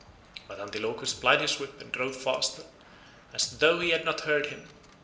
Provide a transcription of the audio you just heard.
But Antilochus plied his whip, and drove faster, as though he had not heard him.